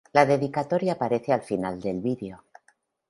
La dedicatoria aparece al final del vídeo.